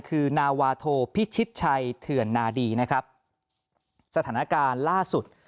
คือนาวาโทพิชิตชัยเถื่อนนาดีนะครับสถานการณ์ล่าสุด